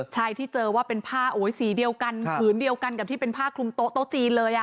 ใช่ที่เจอว่าเป็นผ้าสีเดียวกันผืนเดียวกันกับที่เป็นผ้าคลุมโต๊ะจีนเลย